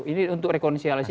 ini untuk rekonsialisi